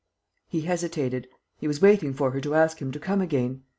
] He hesitated. He was waiting for her to ask him to come again.